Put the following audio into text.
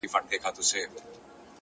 د دوى دا هيله ده چي ـ